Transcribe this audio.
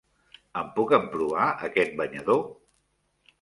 Em puc emprovar aquest banyador?